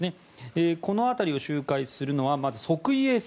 この辺りを周回するのはまずは測位衛星。